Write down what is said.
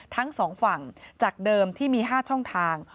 ทั้งสองฝั่งจากเดิมที่มี๕ช่องทาง